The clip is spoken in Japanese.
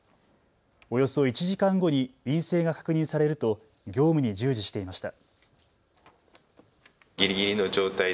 およそ１時間後に陰性が確認されると業務に従事していました。